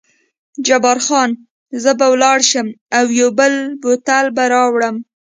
جبار خان: زه به ولاړ شم او یو بوتل به راوړم.